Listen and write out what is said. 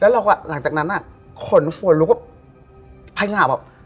แล้วเราก็หลังจากนั้นอะขนหัวลุกว่าภายงาวแบบ